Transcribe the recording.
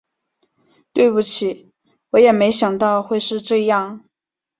对不起，我也没想到会是这样